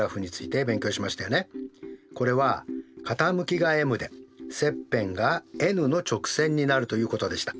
これは傾きがｍで切片がｎの直線になるということでした。